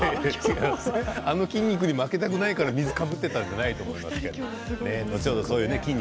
あの筋肉に負けたくないから水をかぶっていたわけじゃないと思いますけどね。